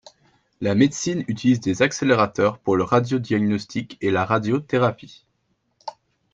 La médecine utilise des accélérateur pour le radiodiagnostic et la radiothérapie.